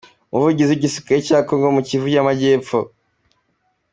Umuvugizi w’Igisirikare cya Congo muri Kivu y’Amajyepfo, Capt.